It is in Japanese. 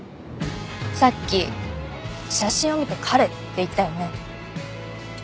さっき写真を見て「彼」って言ったよね？